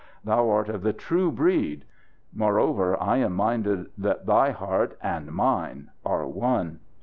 Thou art of the true breed! Moreover I am minded that thy heart and mine are one!